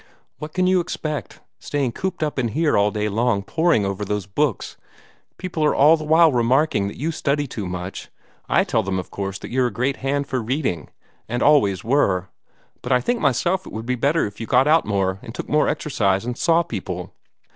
"What can you expect, staying cooped up in here all day long, poring over those books? People are all the while remarking that you study too much. I tell them, of course, that you're a great hand for reading, and always were; but I think myself it would be better if you got out more, and took more exercise, and saw people.